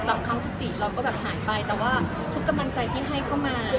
บางครั้งสติเราก็แบบหายไปแต่ว่าทุกกำลังใจที่ให้เข้ามา